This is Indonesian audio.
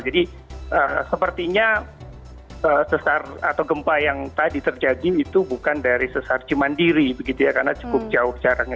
jadi sepertinya sesar atau gempa yang tadi terjadi itu bukan dari sesar cuman diri karena cukup jauh jaraknya